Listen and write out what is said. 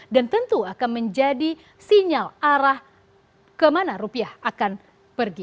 dan tentu akan menjadi sinyal arah kemana rupiah akan pergi